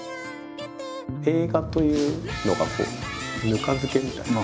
映画というのがぬか漬けみたいな。